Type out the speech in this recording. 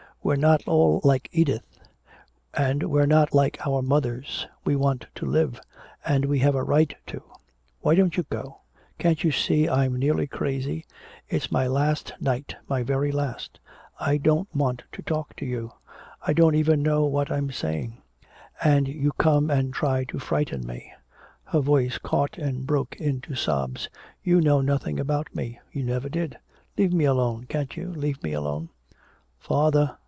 We're not all like Edith and we're not like our mothers! We want to live! And we have a right to! Why don't you go? Can't you see I'm nearly crazy? It's my last night, my very last! I don't want to talk to you I don't even know what I'm saying! And you come and try to frighten me!" Her voice caught and broke into sobs. "You know nothing about me! You never did! Leave me alone, can't you leave me alone!" "Father?"